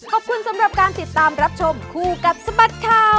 ขอบคุณสำหรับการติดตามรับชมคู่กับสบัดข่าว